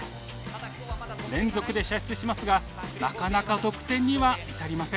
連続で射出しますがなかなか得点には至りません。